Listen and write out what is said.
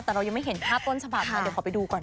แต่เรายังไม่เห็นภาพต้นฉบับมาเดี๋ยวขอไปดูก่อน